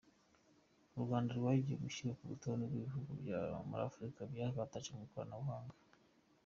U Rwanda rwagiye rushyirwa ku rutonde rw’ibihugu byo muri Afurika byakataje mu ikoranabuhanga.